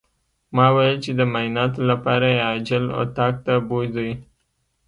ما ويل چې د معايناتو لپاره يې عاجل اتاق ته بوځئ.